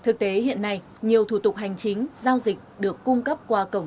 thực tế hiện nay nhiều thủ tục hành chính giao dịch được cung cấp qua cổng dịch vụ công